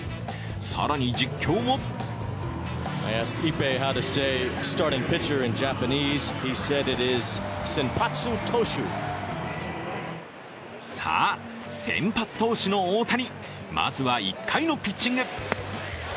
更に実況もさあ、先発投手の大谷まずは１回のピッチング。